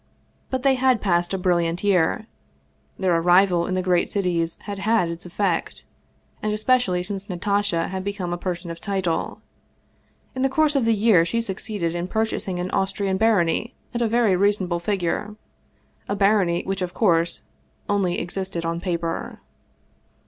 But they had passed a brilliant year, their arrival in the great cities had had its effect, and especially since Natasha had become a person of title ; in the course of the year she succeeded in purchasing an Austrian barony at a very reasonable figure a barony which, of course, only existed on paper.